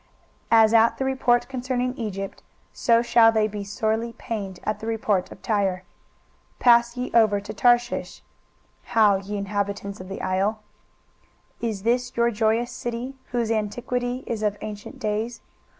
23:023:005 As at the report concerning Egypt, so shall they be sorely pained at the report of Tyre. 23:023:006 Pass ye over to Tarshish; howl, ye inhabitants of the isle. 23:023:007 Is this your joyous city, whose antiquity is of ancient days?